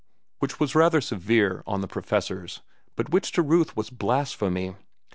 Which was rather severe on the professors, but which to Ruth was blasphemy.